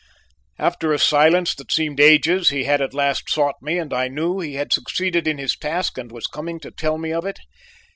After a silence that seemed ages he had at last sought me and I knew he had succeeded in his task and was coming to tell me of it.